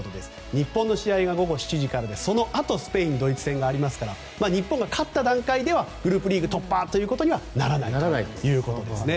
日本の試合が午後７時からでそのあとスペイン・ドイツ戦がありますから日本が勝った段階ではグループリーグ突破とはならないということですね。